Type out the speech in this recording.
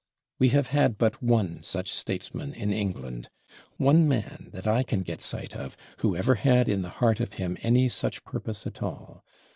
We have had but one such Statesman in England; one man, that I can get sight of, who ever had in the heart of him any such purpose at all.